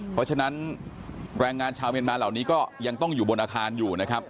เพราะฉะนั้นแรงงานชาวเมียนมาเหล่านี้ก็ยังต้องอยู่บนอาคารอยู่นะครับ